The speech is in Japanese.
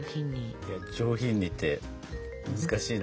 いや上品にって難しいな。